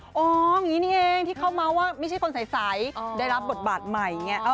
อย่างนี้นี่เองที่เขาเมาส์ว่าไม่ใช่คนใสได้รับบทบาทใหม่ไง